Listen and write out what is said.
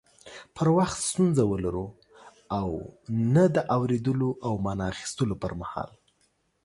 پر وخت ستونزه ولرو او نه د اوريدلو او معنی اخستلو پر مهال